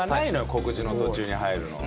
告知の途中に入るのは。